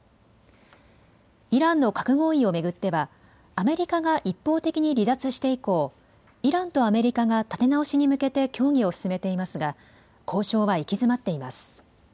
イランの核合意を巡ってはアメリカが一方的に離脱して以降、イランとアメリカが立て直しに向けて協議を進めていますが交渉は行き詰まっています。